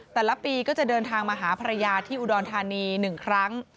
แต่ละปีก็จะเดินทางมาหาภรรยาที่อุดรธานี๑ครั้ง